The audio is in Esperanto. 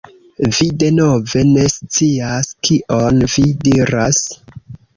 Vi denove ne scias kion vi diras.